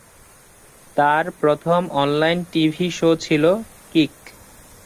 তার প্রথম online TV show ছিল "কিক"।